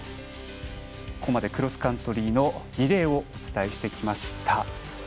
ここまでクロスカントリーのリレーをお伝えしてきました。